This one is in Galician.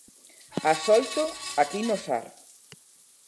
Ás oito, aquí no Sar.